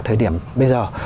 thời điểm bây giờ